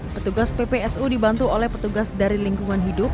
petugas ppsu dibantu oleh petugas dari lingkungan hidup